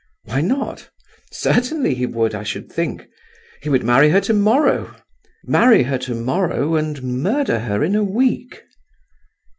"Why not? Certainly he would, I should think. He would marry her tomorrow!—marry her tomorrow and murder her in a week!"